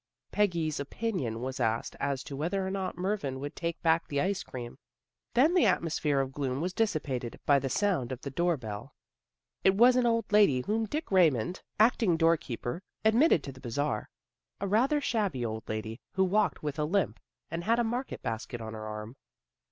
Peggy's opinion was asked as to whether or not Murvin would take back the ice cream. And then the atmosphere of gloom was dissipated by the sound of the door bell. It was an old lady whom Dick Raymond, 106 THE GIRLS OF FRIENDLY TERRACE acting door keeper, admitted to the Bazar, a rather shabby old lady, who walked with a limp, and had a market basket on her arm.